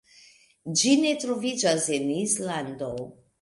Ĝi ne troviĝas en Islando.